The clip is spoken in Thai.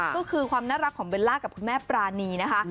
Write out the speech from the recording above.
ก็คือความน่ารักของเบลล่ากับคุณแม่ปรานีนะคะ